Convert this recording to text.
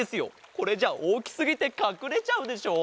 これじゃおおきすぎてかくれちゃうでしょ？